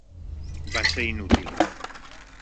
Va ser inútil.